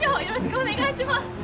よろしくお願いします。